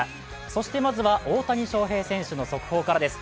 そしてまずは大谷翔平選手の速報からです。